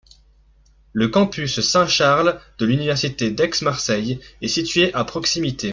Le campus Saint-Charles de l'université d'Aix-Marseille est situé à proximité.